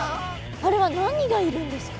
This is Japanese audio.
あれは何がいるんですか？